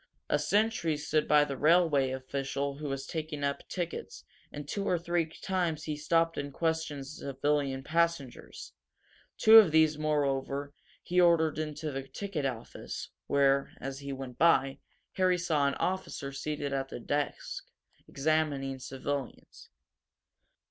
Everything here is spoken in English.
A sentry stood by the railway official who was taking up tickets, and two or three times he stopped and questioned civilian passengers. Two of these, moreover, he ordered into the ticket office, where, as he went by, Harry saw an officer, seated at a desk, examining civilians.